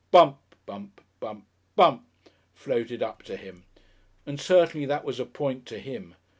BUMP, bump, bump, BUMP floated up to him, and certainly that was a point to him.